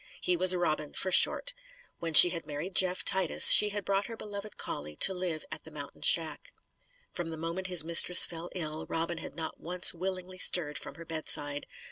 He was Robin, for short. When she had married Jeff Titus, she had brought her beloved collie to live at the mountain shack. From the moment his mistress fell ill, Robin had not once willingly stirred from her bedside.